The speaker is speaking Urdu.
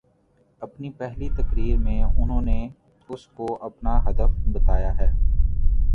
اپنی پہلی تقریر میں انہوں نے اس کو اپناہدف بتایا ہے۔